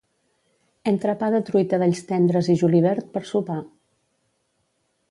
Entrepà de truita d'alls tendres i julivert per sopar